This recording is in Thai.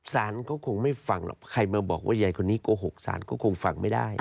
สารก็คงไม่ฟังหรอกใครมาบอกว่ายายคนนี้โกหกศาลก็คงฟังไม่ได้